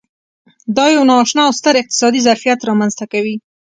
دا یو نا اشنا او ستر اقتصادي ظرفیت رامنځته کوي.